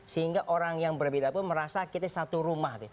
sehingga orang yang berbeda pun merasa kita satu rumah